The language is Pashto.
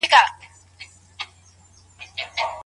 طلاقه سوې مېرمن له خپلو اولادونو مه محروموئ.